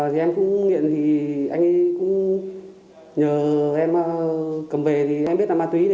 thì em cũng nghiện thì anh cũng nhờ em cầm về thì em biết là ma túy nên là em